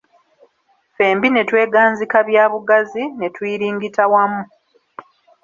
Ffembi ne tweganzika bya bugazi, ne tuyiringitira wamu.